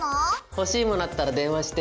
欲しい物あったら電話して。